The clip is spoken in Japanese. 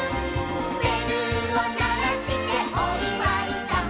「べるをならしておいわいだ」